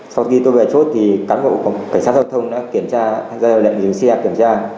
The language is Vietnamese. sau khi tôi về chốt thì cán bộ cảnh sát giao thông đã kiểm tra ra lệnh dừng xe kiểm tra